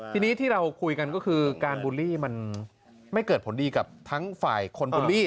ทีนี้ที่เราคุยกันก็คือการบูลลี่มันไม่เกิดผลดีกับทั้งฝ่ายคนบูลลี่